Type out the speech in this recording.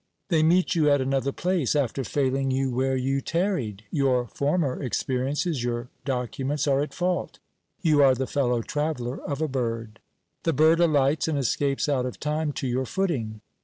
They meet you at another place, after failing you where you tarried; your former experiences, your documents are at fault. You are the fellow traveller of a bird. The bird alights and escapes out of time to your footing.